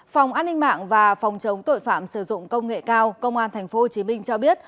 phòng an ninh mạng và phòng chống tội phạm sử dụng công nghệ cao công an tp hcm cho biết